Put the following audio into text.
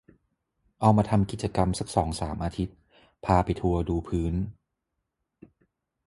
เอามาทำกิจกรรมสักสองสามอาทิตย์ พาไปทัวร์ดูพื้น